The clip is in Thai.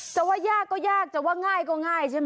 จะว่ายากก็ยากจะว่าง่ายก็ง่ายใช่ไหม